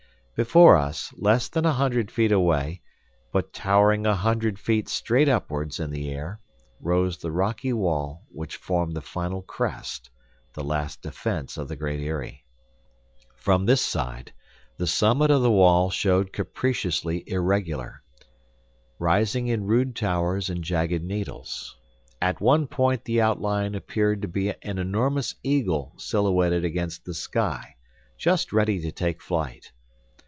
Before us, less than a hundred feet away, but towering a hundred feet straight upwards in the air rose the rocky wall which formed the final crest, the last defence of the Great Eyrie. From this side, the summit of the wall showed capriciously irregular, rising in rude towers and jagged needles. At one point the outline appeared to be an enormous eagle silhouetted against the sky, just ready to take flight.